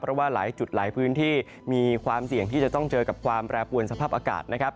เพราะว่าหลายจุดหลายพื้นที่มีความเสี่ยงที่จะต้องเจอกับความแปรปวนสภาพอากาศนะครับ